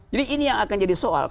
jadi ini yang akan jadi soal